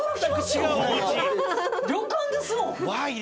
旅館ですもん。